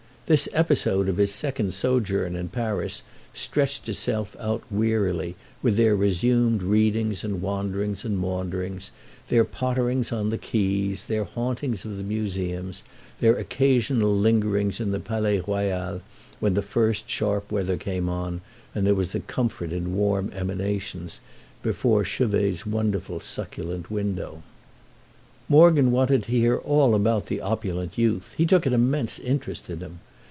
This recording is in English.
This episode of his second sojourn in Paris stretched itself out wearily, with their resumed readings and wanderings and maunderings, their potterings on the quays, their hauntings of the museums, their occasional lingerings in the Palais Royal when the first sharp weather came on and there was a comfort in warm emanations, before Chevet's wonderful succulent window. Morgan wanted to hear all about the opulent youth—he took an immense interest in him.